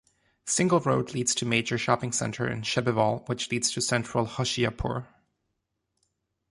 Single road leads to major shopping center in Chebbewal, which leads to central Hoshiarpur.